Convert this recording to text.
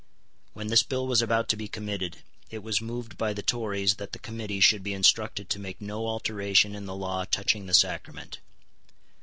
When this bill was about to be committed, it was moved by the Tories that the committee should be instructed to make no alteration in the law touching the sacrament.